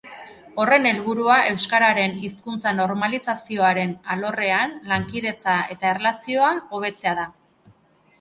Horren helburua euskararen hizkuntza-normalizazioaren alorrean lankidetza eta erlazioa hobetzea da.